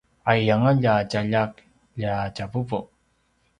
aiyanga lja tjaljak lja tjavuvu!